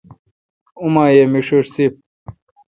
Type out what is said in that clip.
اوما یہ می ݭݭ سپ۔